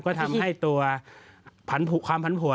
ก็ทำให้ตัวความผันผัว